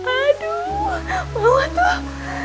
aduh maunya tuh